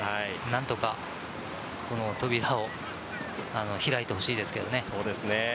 何とか、この扉を開いてほしいですけどね。